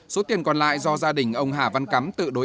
số tiền còn lại do gia đình ông hà văn cắm tự đối